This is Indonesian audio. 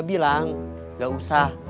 dia bilang gak usah